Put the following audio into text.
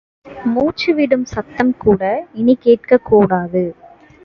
மூச்சுவிடும் சத்தம் கூட இனி கேட்கக் கூடாது.